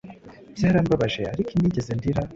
Byarambabaje, ariko inigeze ndira